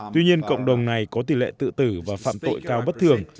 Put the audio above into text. tuy nhiên cộng đồng này có tỷ lệ tự tử và phạm tội cao bất thường